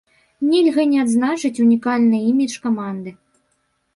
Нельга не адзначыць унікальны імідж каманды.